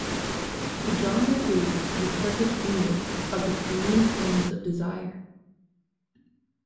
The drama is the Turkish remake of the Korean Flames of Desire.